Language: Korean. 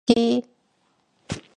김치!